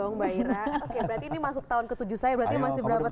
oke berarti ini masuk tahun ke tujuh saya berarti masih berapa tahun ini